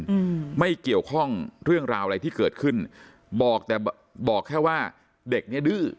อืมไม่เกี่ยวข้องเรื่องราวอะไรที่เกิดขึ้นบอกแต่บอกแค่ว่าเด็กเนี้ยดื้อ